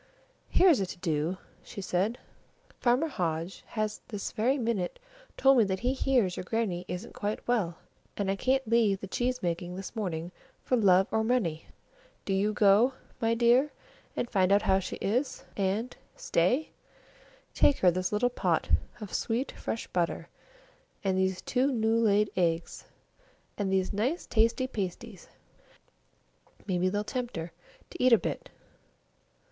"Here's a to do," she said. "Farmer Hodge has this very minute told me that he hears your Grannie isn't quite well, and I can't leave the cheese making this morning for love or money! Do you go, my dear, and find out how she is and stay take her this little pot of sweet fresh butter, and these two new laid eggs, and these nice tasty little pasties. Maybe they'll tempt her to eat a bit.